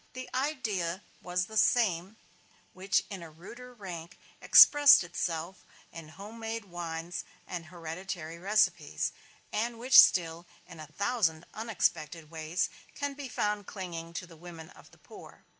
The idea was the same which in a ruder rank expressed itself in home made wines and hereditary recipes; and which still, in a thousand unexpected ways, can be found clinging to the women of the poor.